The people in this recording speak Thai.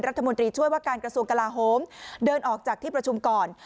รัฐมนตรีช่วยว่าการกระทรวงกลาโฮมเดินออกจากที่ประชุมก่อน